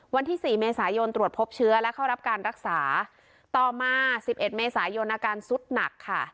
วันที่สี่เมษายนตรวจพบเชื้อและเข้ารับการรักษาต่อมาสิบเอ็ดเมษายนอาการสุดหนักค่ะ